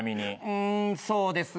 うんそうですね。